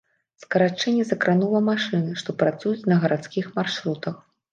Скарачэнне закранула машыны, што працуюць на гарадскіх маршрутах.